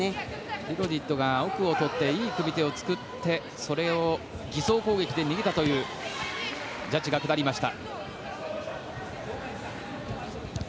ビロディッドが奥をとっていい組み手を作ってそれを偽装攻撃で逃げたというジャッジが下りました。